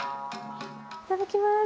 いただきます！